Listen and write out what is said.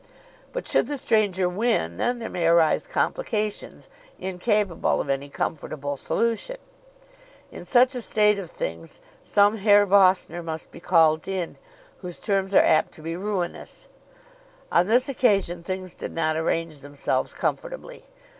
But should the stranger win, then there may arise complications incapable of any comfortable solution. In such a state of things some Herr Vossner must be called in, whose terms are apt to be ruinous. On this occasion things did not arrange themselves comfortably.